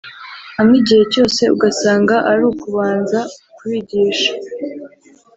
hamwe igihe cyose ugasanga ari ukubanza kubigisha